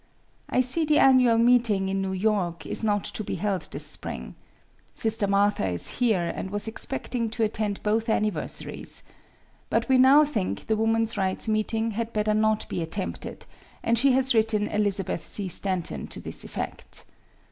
"I see the annual meeting, in New York, is not to be held this spring. Sister Martha is here, and was expecting to attend both anniversaries. But we now think the woman's rights meeting had better not be attempted, and she has written Elizabeth C. Stanton to this effect.